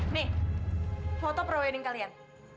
nih foto perweding kalian